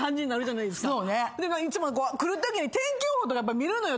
いつも来るときに天気予報とか見るのよ